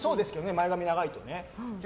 前髪長いとね。